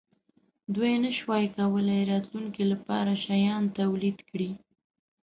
دوی نشوای کولای راتلونکې لپاره شیان تولید کړي.